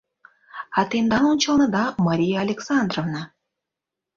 — А тендан ончылныда Мария Александровна.